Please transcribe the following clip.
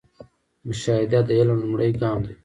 مشاهده د علم لومړی ګام دی